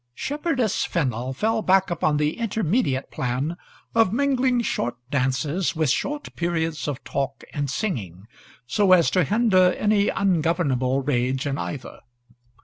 Shepherdess Fennel fell back upon the intermediate plan of mingling short dances with short periods of talk and singing, so as to hinder any ungovernable rage in either.